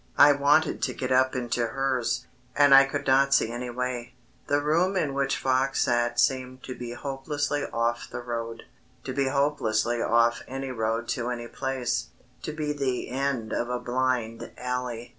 I wanted to get up into hers and I could not see any way. The room in which Fox sat seemed to be hopelessly off the road to be hopelessly off any road to any place; to be the end of a blind alley.